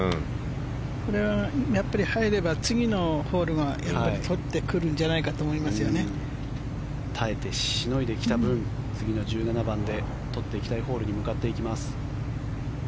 これは入れば次のホールは取ってくるんじゃないかと耐えてしのいできた分次の１７番で取っていきたいホールに向かっていきます。